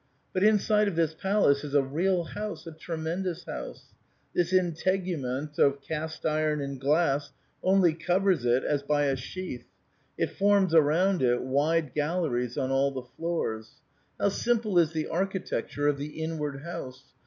But inside of this palace is a real house, a tre mendous house ! This integument of cast iron and glass only covers it as by a sheath ; it forms around it wide galleries on all the floors. How simple is the architecture of the inward house